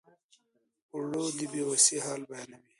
اوړه د بې وسۍ حال بیانوي